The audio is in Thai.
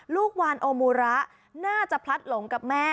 ลูกวานโอมูระน่าจะพลัดหลงกับแม่